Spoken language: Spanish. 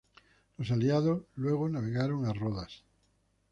Los aliados luego navegaron a Rodas.